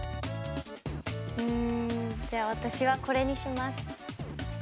うんじゃあ私はこれにします。